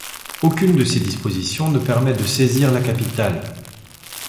Aucune de ces dispositions ne permet de saisir la capitale.